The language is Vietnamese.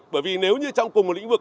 bởi vì nếu như trong cùng một lĩnh vực